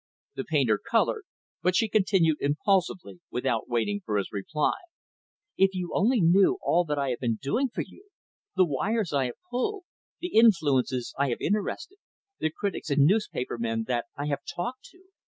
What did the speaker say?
The painter colored, but she continued impulsively, without waiting for his reply. "If you only knew all that I have been doing for you! the wires I have pulled; the influences I have interested; the critics and newspaper men that I have talked to!